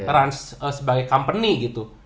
rans sebagai company gitu